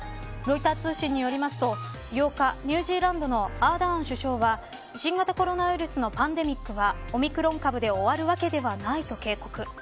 ロイター通信によりますと、８日ニュージーランドのアーダーン首相は新型コロナウイルスのパンデミックは、オミクロン株で終わるわけではないと警告。